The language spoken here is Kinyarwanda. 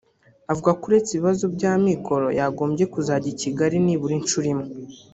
Avuga ko uretse ibibazo by’amikoro yagombye kuzajya i Kigali nibura inshuro imwe